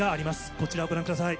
こちらをご覧ください。